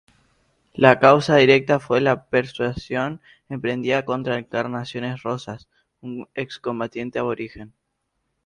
La causa directa fue la persecución emprendida contra Encarnación Rosas, un excombatiente aborigen.